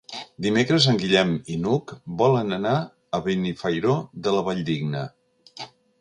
Dimecres en Guillem i n'Hug volen anar a Benifairó de la Valldigna.